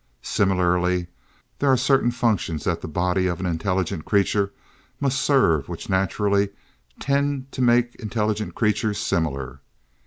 Similarly there are certain functions that the body of an intelligent creature must serve which naturally tend to make intelligent creatures similar.